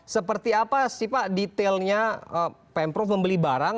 seperti apa sih pak detailnya pemprov membeli barang